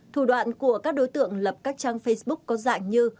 thủ đoạn của các đối tượng lập các trang facebook có dạng như